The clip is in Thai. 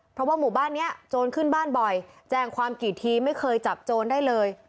เพราะว่าหมู่บ้านนี้โจรขึ้นบ้านบ่อยแจ้งความกี่ทีไม่เคยจับโจรได้เลย